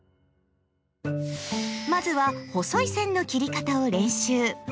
まずは細い線の切り方を練習。